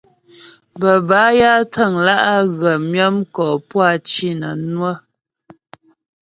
Bə́ bâ ya təŋlǎ' á ghə myə mkɔ puá cì nə́ cwə.